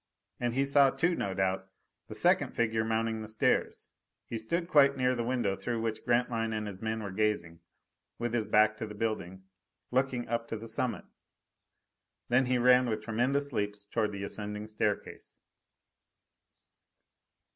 And he saw too, no doubt, the second figure mounting the stairs. He stood quite near the window through which Grantline and his men were gazing, with his back to the building, looking up to the summit. Then he ran with tremendous leaps toward the ascending staircase.